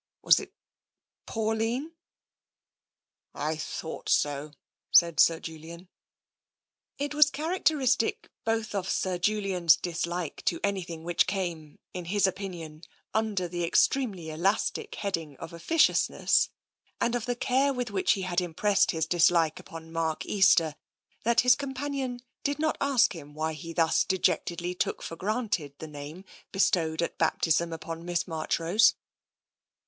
... Was it Pauline?" " I thought so," said Sir Julian. It was characteristic both of Sir Julian's dislike to anything which came, in his opinion, under the extremely elastic heading of officiousness, and of the care with which he had impressed his dislike upon Mark Easter, that his companion did not ask him why TENSION 27 he thus dejectedly took for granted the name bestowed at baptism upon Miss Marchrose.